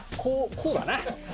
こうだな。